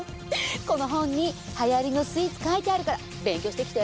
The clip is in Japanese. この本にはやりのスイーツ書いてあるから勉強してきて。